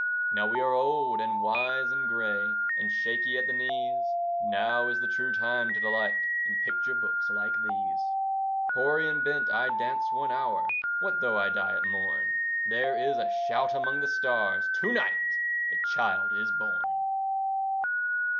Now we are old and wise and grey, And shaky at the knees; Now is the true time to delight In picture books like these. Hoary and bent I dance one hour: What though I die at morn? There is a shout among the stars, "To night a child is born."